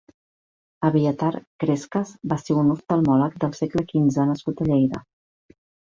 Abiathar Crescas va ser un oftalmòleg del segle quinze nascut a Lleida.